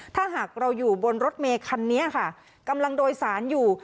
ถ้าหากเราอยู่บนรถเมคันนี้ค่ะกำลังโดยสารอยู่